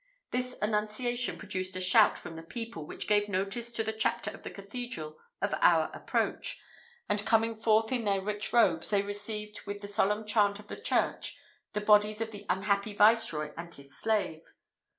This annunciation produced a shout from the people, which gave notice to the Chapter of the Cathedral of our approach, and coming forth in their rich robes, they received with the solemn chant of the church the bodies of the unhappy Viceroy and his slave.